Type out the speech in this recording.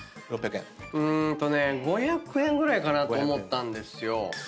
んーっとね５００円ぐらいかなと思ったんですよ。